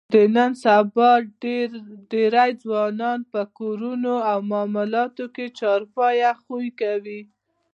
د نن سبا ډېری ځوانان په کارونو او معاملاتو کې چارپایه خوی کوي.